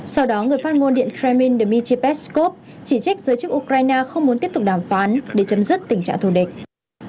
sau đó người phát ngôn điện kremlin dmitry peskov chỉ trích giới chức ukraine không muốn tiếp tục đàm phán để chấm dứt tình trạng thù địch